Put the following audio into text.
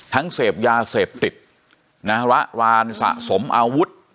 เสพยาเสพติดระรานสะสมอาวุธ